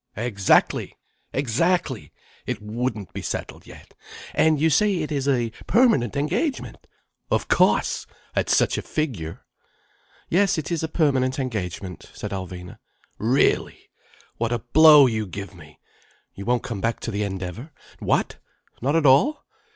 Exactly! Exactly! It wouldn't be settled yet. And you say it is a permanent engagement? Of cauce, at such a figure." "Yes, it is a permanent engagement," said Alvina. "Really! What a blow you give me! You won't come back to the Endeavour? What? Not at all?"